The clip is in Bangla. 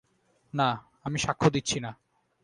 না, আমি সাক্ষ্য দিচ্ছি না।